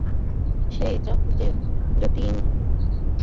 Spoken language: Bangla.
সেই জ্যোতিই গ্রহগণে এবং সূর্য-চন্দ্র-তারায় প্রকাশ পাইতেছে।